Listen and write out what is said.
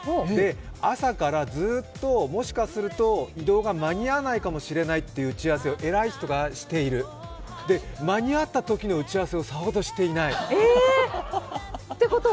朝からずっと、もしかすると移動が間に合わないかもしれないという打ち合わせを偉い人がしている、で、間に合ったときの打ち合わせをさほどしていない。